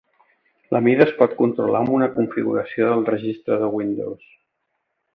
La mida es pot controlar amb una configuració del registre de Windows.